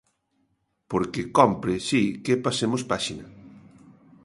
Porque cómpre, si, que pasemos páxina.